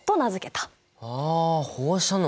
あ放射能。